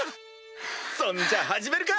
そんじゃ始めるか！